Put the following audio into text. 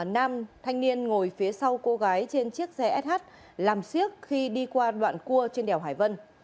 nam thanh niên ngồi phía sau cô gái trên chiếc xe sh làm siếc khi đi qua đoạn cua trên đèo hải vân